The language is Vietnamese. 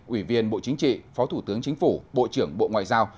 ủy viên bộ chính trị phó thủ tướng chính phủ bộ trưởng bộ ngoại giao